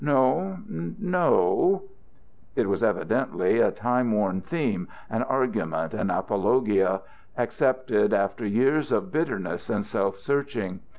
No, no " It was evidently a time worn theme, an argument, an apologia, accepted after years of bitterness and self searching.